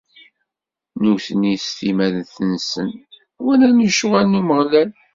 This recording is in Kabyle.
Nutni, s timmad-nsen, walan lecɣwal n Umeɣlal.